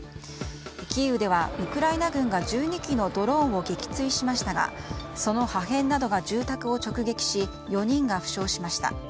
キーウではウクライナ軍が１２機のドローンを撃墜しましたがその破片などが住宅を直撃し４人が負傷しました。